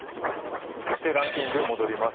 そしてランキング、戻ります